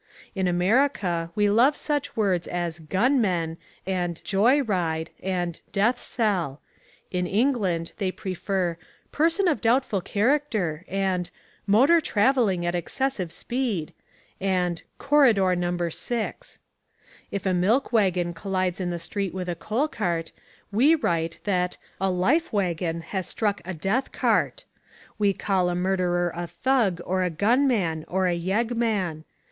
In America we love such words as "gun men" and "joy ride" and "death cell": in England they prefer "person of doubtful character" and "motor travelling at excessive speed" and "corridor No. 6." If a milk waggon collides in the street with a coal cart, we write that a "life waggon" has struck a "death cart." We call a murderer a "thug" or a "gun man" or a "yeg man."